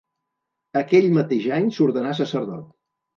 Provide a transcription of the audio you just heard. Aquell mateix any s'ordenà sacerdot.